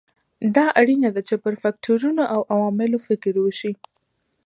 دا اړینه ده چې پر فکټورونو او عواملو فکر وشي.